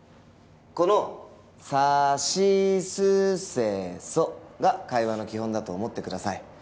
この「さしすせそ」が会話の基本だと思ってください